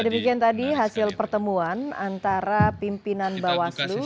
demikian tadi hasil pertemuan antara pimpinan bawaslu